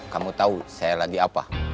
kamu tahu saya lagi apa